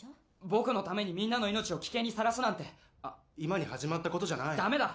僕のためにみんなの命を危険にさらすなんて今に始まったことじゃないダメだ！